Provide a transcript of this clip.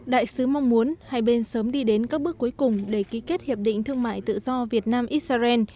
đại sứ mong muốn hai bên sớm đi đến các bước cuối cùng để ký kết hiệp định thương mại tự do việt nam israel